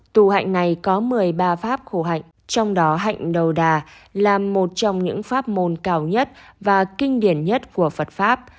tù hạnh này có một mươi ba pháp khổ hạnh trong đó hạnh đầu đà là một trong những pháp môn cao nhất và kinh điển nhất của phật pháp